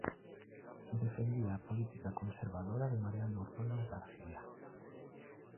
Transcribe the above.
Defendía a política conservadora de Mariano Ordóñez García.